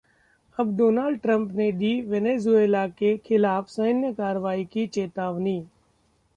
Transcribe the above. अब Donald Trump ने दी वेनेजुएला के खिलाफ सैन्य कार्रवाई की चेतावनी